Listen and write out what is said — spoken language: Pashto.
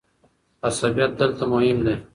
عصبيت دلته مهم دی.